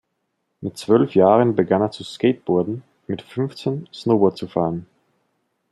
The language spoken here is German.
Mit zwölf Jahren begann er zu Skateboarden, mit fünfzehn Snowboard zu fahren.